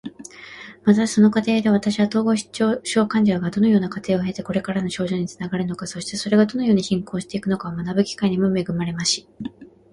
また、その過程で私は、統合失調症患者がどのような過程を経てこれらの症状につながるのか、そしてそれがどのように進行していくのかを学ぶ機会にも恵まれました。